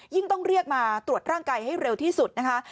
ต้องเรียกมาตรวจร่างกายให้เร็วที่สุดนะคะ